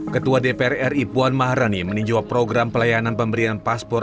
ketua dpr ri puan maharani meninjau program pelayanan pemberian paspor